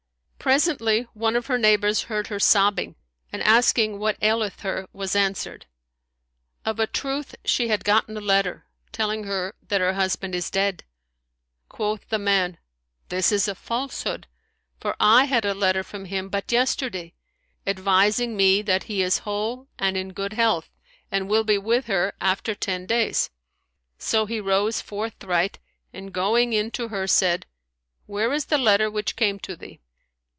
Presently, one of her neighbours heard her sobbing and asking what aileth her, was answered, "Of a truth she hath gotten a letter, telling her that her husband is dead." Quoth the man, "This is a falsehood; for I had a letter from him but yesterday, advising me that he is whole and in good health and will be with her after ten days." So he rose forthright and going in to her, said, "Where is the letter which came to thee?"